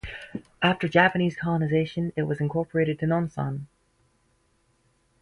After Japanese colonization, it was incorporated to Nonsan.